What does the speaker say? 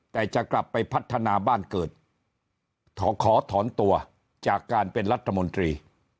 แต่จะกลับไปพัฒนาบ้านเกิดขอถอนตัวจากการเป็นรัฐมนตรี